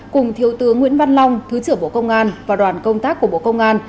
cùng thiếu tướng nguyễn văn long thứ trưởng bộ công an và đoàn công tác của bộ công an